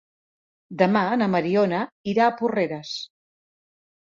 Demà na Mariona irà a Porreres.